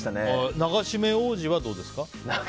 流し目王子はどうですか？